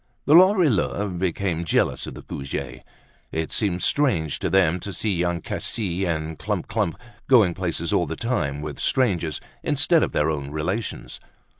The Lorilleuxs became jealous of the Goujets. It seemed strange to them to see Young Cassis and Clump clump going places all the time with strangers instead of their own relations.